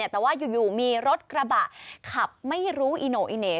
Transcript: แต่ว่าอยู่มีรถกระบะขับไม่รู้อีโน่อีเหน่